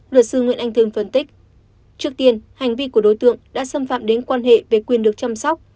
luật sư nguyễn anh thương phân tích trước tiên hành vi của đối tượng đã xâm phạm đến quan hệ về quyền được chăm sóc